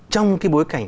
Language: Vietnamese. trong cái bối cảnh